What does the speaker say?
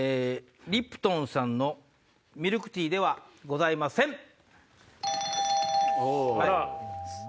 リプトンさんのミルクティーではございません。